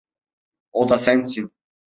O da sensin.